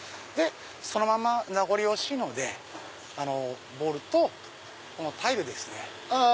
そのまま名残惜しいのでポールとこのタイルですね。